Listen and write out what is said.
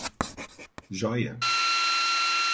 Jóia